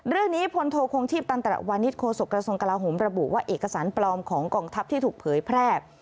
เรื่องนี้พลโทคงทีบตั้งแต่วันนิษฐ์โครสกรสงกราหมระบุว่าเอกสารปลอมของกองทัพที่ถูกเผยแพร่